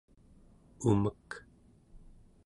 umek